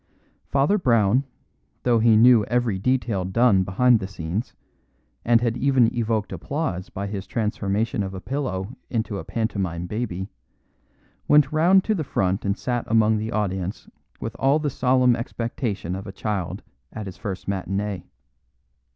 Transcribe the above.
Father Brown, though he knew every detail done behind the scenes, and had even evoked applause by his transformation of a pillow into a pantomime baby, went round to the front and sat among the audience with all the solemn expectation of a child at his first matinee.